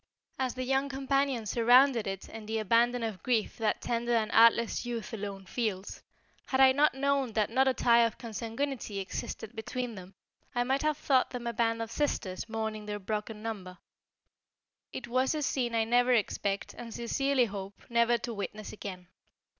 As the young companions surrounded it in the abandon of grief that tender and artless youth alone feels, had I not known that not a tie of consanguinity existed between them, I might have thought them a band of sisters mourning their broken number. It was a scene I never expect and sincerely hope never to witness again.